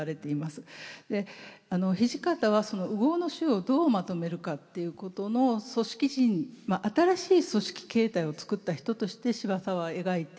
で土方はその烏合の衆をどうまとめるかっていうことの組織人まあ新しい組織形態を作った人として司馬さんは描いていますよね。